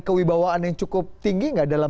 kewibawaan yang cukup tinggi nggak dalam